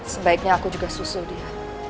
sebaiknya aku juga susu dia